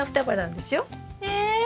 え？